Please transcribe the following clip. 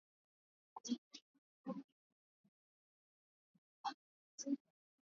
Nchi ya Tanzania ina kuku wa kienyeji milioni thelathini na tano kuku wa kisasa